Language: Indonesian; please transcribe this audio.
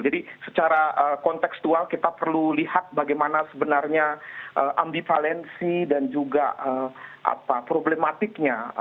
jadi secara konteksual kita perlu lihat bagaimana sebenarnya ambivalensi dan juga problematiknya